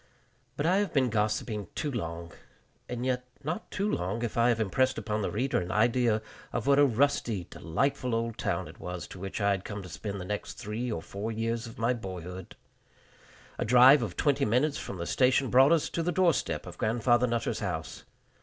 But I have been gossiping too long and yet not too long if I have impressed upon the reader an idea of what a rusty, delightful old town it was to which I had come to spend the next three or four years of my boyhood. A drive of twenty minutes from the station brought us to the door step of Grandfather Nutter's house.